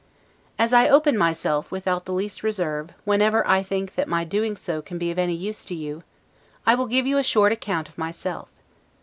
As I open myself, without the least reserve, whenever I think that my doing so can be of any use to you, I will give you a short account of myself.